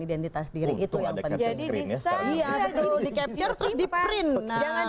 identitas diri itu yang penting jadi bisa di capture terus di print jadi bisa di print